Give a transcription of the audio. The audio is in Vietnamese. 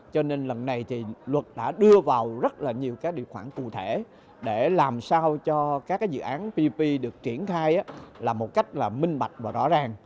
cho nên lần này thì luật đã đưa vào rất là nhiều điều khoản cụ thể để làm sao cho các dự án ppp được triển khai là một cách minh bạch và rõ ràng